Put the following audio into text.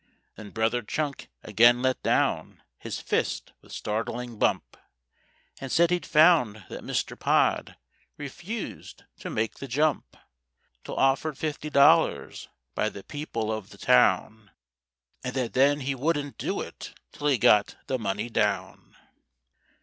Then Brother Chunk again let down his fist with startling bump, And said he'd found that Mr. Pod refused to make the jump Till offered fifty dollars by the people of the town, And that then he wouldn't do it till he got the money down.